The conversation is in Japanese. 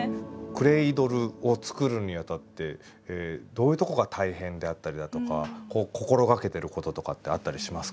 クレードルを作るにあたってどういうとこが大変であったりだとかこう心がけてることとかってあったりしますか？